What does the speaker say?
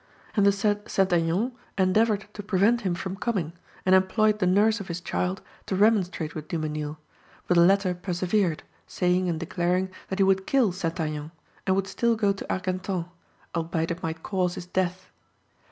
And the said St. Aignan endeavoured to prevent him from coming, and employed the nurse of his child to remonstrate with Dumesnil, but the latter persevered, saying and declaring that he would kill St. Aignan, and would still go to Argentan, albeit it might cause his death.